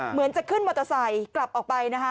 เหมือนจะขึ้นมอเตอร์ไซค์กลับออกไปนะคะ